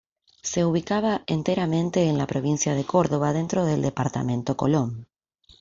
Se ubicaba enteramente en la provincia de Córdoba, dentro del Departamento Colón.